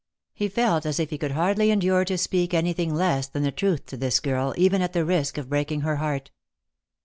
He felt as if he could hardly endure to speak anything less than the truth to this girl, even at the risk of breaking her heart.